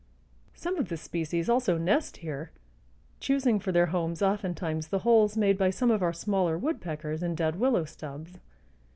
Some of this species also nest here, choosing for their homes oftentimes the holes made by some of our smaller woodpeckers in dead willow stubs.